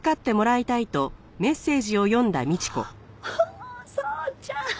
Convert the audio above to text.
お宗ちゃん！